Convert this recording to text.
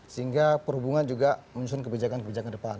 sehingga perhubungan juga menyusun kebijakan kebijakan ke depan